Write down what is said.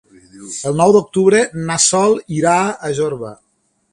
El nou d'octubre na Sol irà a Jorba.